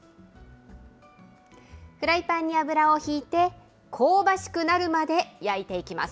フライパンに油をひいて、香ばしくなるまで焼いていきます。